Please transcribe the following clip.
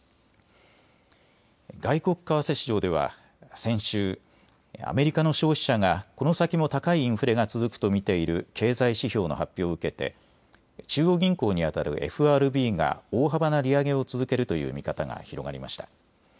外国為替市場では先週、アメリカの消費者がこの先も高いインフレが続くと見ている経済指標の発表を受けて中央銀行にあたるＦＲＢが大幅な利上げを続けるという見方が広がりました。